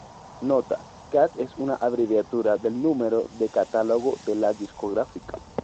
Nota: "Cat:" es una abreviatura del número de catálogo de la discográfica.